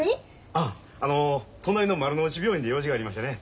あっあの隣の丸の内病院に用事がありましてね。